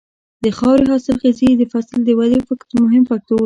د خاورې حاصلخېزي د فصل د ودې مهم فکتور دی.